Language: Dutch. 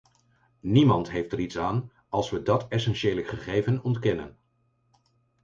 Niemand heeft er iets aan als we dat essentiële gegeven ontkennen.